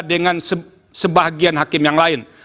dengan sebagian hakim yang lain